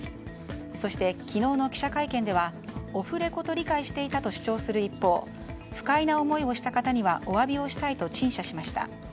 そして、昨日の記者会見ではオフレコと理解していたと主張する一方不快な思いをした方にはお詫びをしたいと陳謝しました。